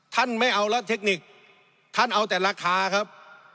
ท่านไม่เอาแล้วเทคนิคท่านเอาแต่ราคาครับ